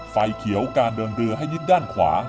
ไฟเขียวการเดินเรือให้ยึดด้านขวา